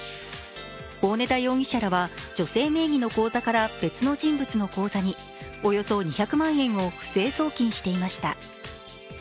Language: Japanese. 大根田容疑者らは女性名義の口座から別の人物の口座におよそ２００万円を不正送金していました。